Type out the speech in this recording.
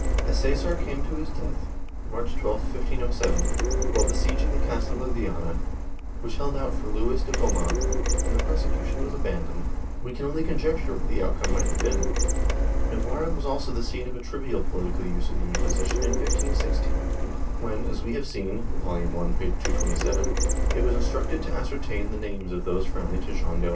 As Csesar came to his death, March 12, 1507, while besieging the castle of Viana, which held out for Luis de Beaumont, and the prosecution was abandoned, w^e can only conjecture what the outcome might have been.^ Navarre was also the scene of a trivial political use of the Inquisition in 1516, when, as we have seen (Vol. I, p. 227) it was instructed to ascertain the names of those friendly to Jean d'Albret.